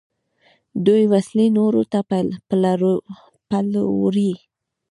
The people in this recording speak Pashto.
دوی وسلې نورو ته پلوري.